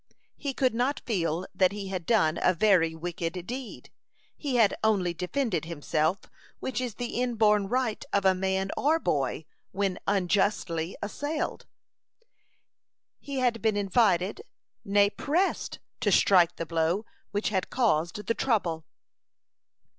He could not feel that he had done a very wicked deed. He had only defended himself, which is the inborn right of man or boy when unjustly assailed. He had been invited, nay, pressed, to strike the blow which had caused the trouble.